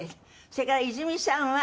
それから泉さんは。